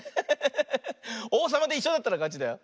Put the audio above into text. おうさまでいっしょだったらかちだよ。